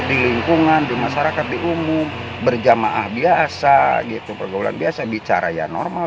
di lingkungan di masyarakat di umum berjamaah biasa gitu perguruan biasa bicara yang normal